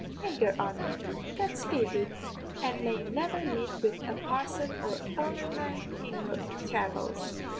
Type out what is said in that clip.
Thank your honour! God speed you, an' may you never meet wid a parson or alderman in your thravels!'